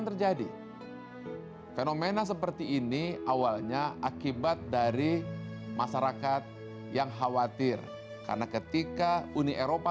terjadi fenomena seperti ini awalnya akibat dari masyarakat yang khawatir karena ketika uni eropa